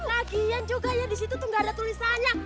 lagian juga ya disitu tuh gak ada tulisannya